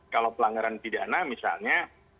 kalau pelanggaran pidana misalnya